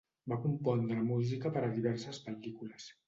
Va compondre música per a diverses pel·lícules.